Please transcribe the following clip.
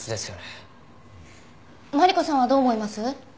マリコさんはどう思います？